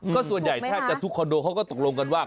ก็ส่วนใหญ่แทบจะทุกคอนโดเขาก็ตกลงกันว่า